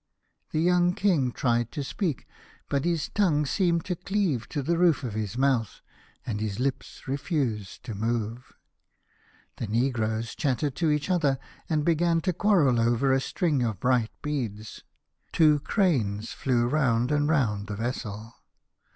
The young King tried to speak, but his tongue seemed to cleave to the roof of his mouth, and his lips refused to move. The negroes chattered to each other, and began to quarrel over a string of bright beads. Two cranes flew round and round the vessel.